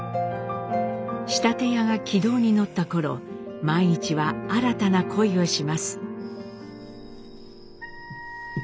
仕立屋が軌道に乗った頃萬一は新たな恋をします。